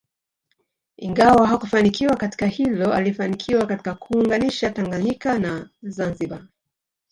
Ingawa hakufanikiwa katika hilo alifanikiwa katika kuunganisha Tanganyika na Zanzibar